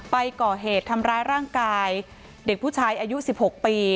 ไปก่อเหตุทำร้ายร่างกายเด็กผู้ชายอายุ๑๖ปี